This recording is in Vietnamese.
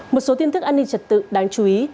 một số tin tức an ninh trật tự đáng chú ý